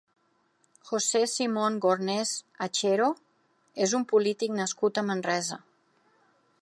José Simón Gornés Hachero és un polític nascut a Manresa.